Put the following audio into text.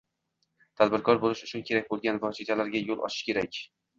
tadbirkor bo‘lish uchun kerak bo‘lgan vositalarga yo‘l ochish kerak.